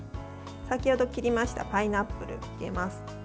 先ほど切りましたパイナップルを入れます。